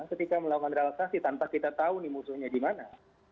ketika melakukan realisasi tanpa kita tahu musuhnya di mana